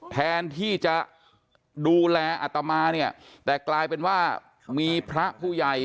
แทนที่จะดูแลอัตมาเนี่ยแต่กลายเป็นว่ามีพระผู้ใหญ่